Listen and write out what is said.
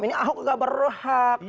ini ahok nggak berhak